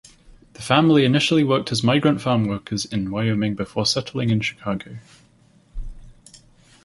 The family initially worked as migrant farm workers in Wyoming before settling in Chicago.